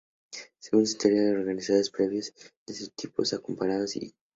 Según su teoría, los organizadores previos son de dos tipos: "comparativos" y "expositivos".